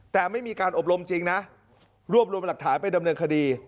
แต่ไม่มีการอบรมจริงนะรวบรวมหลักฐานไปดำเนินคดี